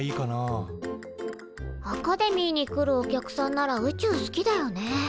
アカデミーに来るお客さんなら宇宙好きだよね。